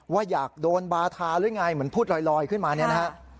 ว่าอยากโดนบาทาหรือไงเหมือนพูดลอยขึ้นมาเนี่ยนะฮะ